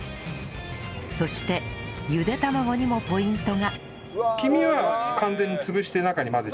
そしてゆで卵にもポイントが